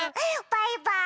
バイバーイ！